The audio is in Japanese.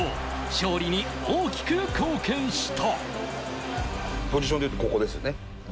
勝利に大きく貢献した。